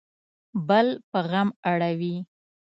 بل په غم اړوي